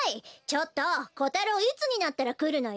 ちょっとコタロウいつになったらくるのよ！